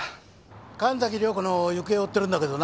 神崎涼子の行方を追ってるんだけどな